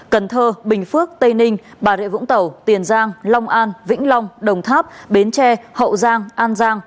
cần thơ bình phước tây ninh bà rịa vũng tàu tiền giang long an vĩnh long đồng tháp bến tre hậu giang an giang